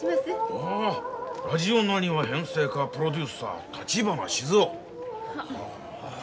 ほう「ラジオナニワ編成課プロデューサー立花静尾」。